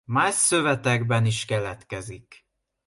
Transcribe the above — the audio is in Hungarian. Más szövetekben is keletkezik.